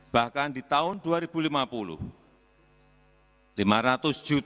bahkan di tahun dua ribu lima puluh lima ratus juta petani kecil sebagai penyumbang